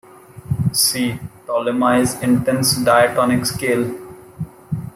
See: Ptolemy's intense diatonic scale.